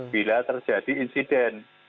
bila terjadi insiden